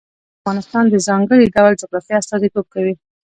چرګان د افغانستان د ځانګړي ډول جغرافیه استازیتوب کوي.